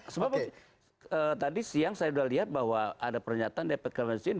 sebab tadi siang saya sudah lihat bahwa ada pernyataan depot kalensin